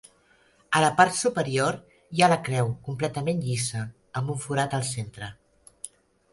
A la part superior hi ha la creu completament llisa, amb un forat al centre.